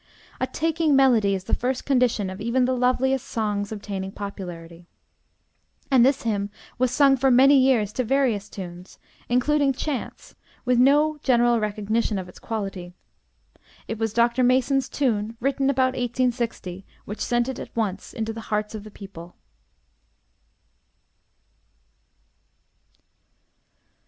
A taking melody is the first condition of even the loveliest song's obtaining popularity; and this hymn was sung for many years to various tunes, including chants, with no general recognition of its quality. It was Dr. Mason's tune, written about 1860, which sent it at once into the hearts of the people.